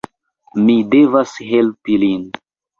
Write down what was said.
Mi devas helpi lin.